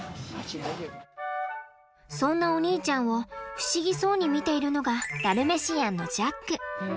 そんなお兄ちゃんを不思議そうに見ているのがダルメシアンのジャック。